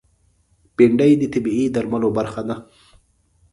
بېنډۍ د طبعي درملو برخه ده